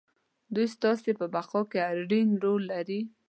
دوی ستاسې په بقا کې اړين رول لري.